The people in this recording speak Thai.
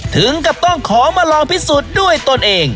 ถึงกับต้องขอมาลองพิสูจน์ด้วยตนเอง